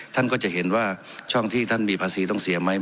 ท่านก็จะเห็นว่าช่องที่ท่านมีภาษีต้องเสียไหม